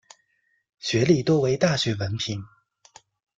学历多为大学文凭。